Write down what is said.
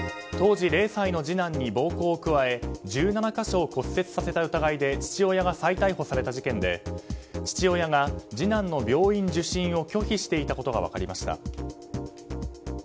当時０歳の次男に暴行を加え１７か所を骨折させた疑いで父親が再逮捕された事件で父親が次男の病院受診を拒否していたことが分かりました。